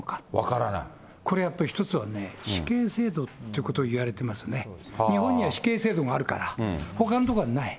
これやっぱり一つはね、死刑制度っていうことをいわれてますね、日本には死刑制度があるから、ほかの所はない。